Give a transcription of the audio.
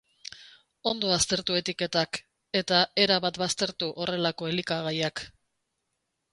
Ondo aztertu etiketak, eta erabat baztertu horrelako elikagaiak.